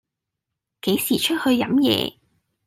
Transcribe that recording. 幾時出去飲野